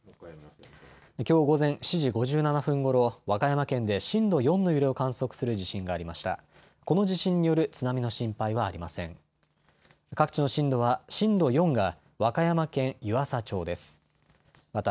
きょう午前７時５７分ごろ、和歌山県で震度４の揺れを観測する地震がありました。